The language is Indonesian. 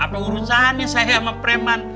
apa urusannya saya sama preman